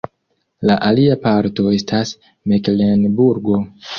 La alia parto estas Meklenburgo.